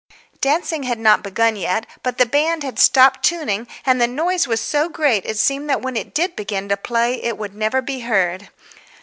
Dancing had not begun yet, but the band had stopped tuning, and the noise was so great it seemed that when it did begin to play it would never be heard.